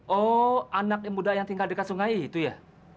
oh anak muda yang tinggal dekat sungai itu ya